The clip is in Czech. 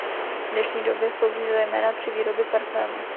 V dnešní době slouží zejména při výrobě parfémů.